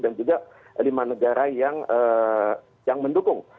dan juga lima negara yang mendukung